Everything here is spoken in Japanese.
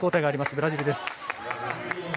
ブラジルです。